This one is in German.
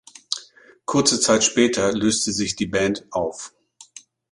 Kurze Zeit später löste sich die Band auf.